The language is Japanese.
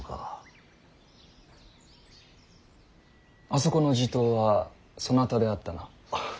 あそこの地頭はそなたであったな。